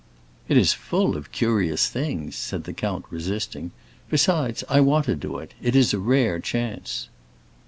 "It is full of curious things," said the count, resisting. "Besides, I want to do it; it is a rare chance."